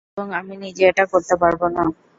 এবং আমি নিজে এটা করতে পারব না।